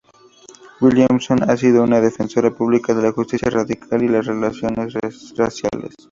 Williamson ha sido una defensora pública de la justicia racial y las relaciones raciales.